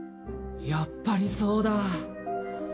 やっぱりそうだ。